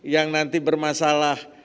yang nanti bermasalah